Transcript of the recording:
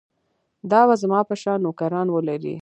دا به زما په شان نوکران ولري.